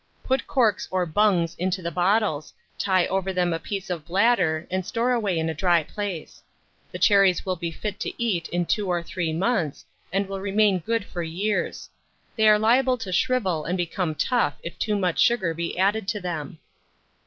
Put corks or bungs into the bottles, tie over them a piece of bladder, and store away in a dry place. The cherries will be fit to eat in 2 or 3 months, and will remain good for years. They are liable to shrivel and become tough if too much sugar be added to them.